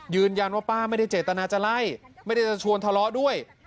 ป้าไม่ได้เจตนาจะไล่ไม่ได้จะชวนทะเลาะด้วย